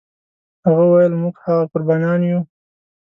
هغه ویل موږ هغه قربانیان یو.